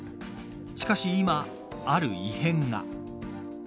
しかし今、ある異変が。